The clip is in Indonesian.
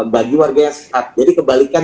bagi warga yang sehat jadi kebalikan